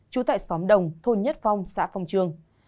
trú tại xóm đồng thôn nhất phong xã phong trương